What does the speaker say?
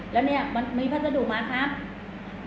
แล้วเนี่ยมันมีพัสดุมาครับ